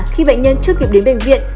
khi bệnh nhân chưa kịp đến bệnh viện